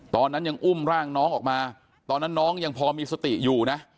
ตอนนั้นยังอุ้มร่างน้องออกมาตอนนั้นน้องยังพอมีสติอยู่นะ